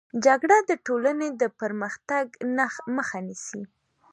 جګړه د ټولني د پرمختګ مخه نيسي.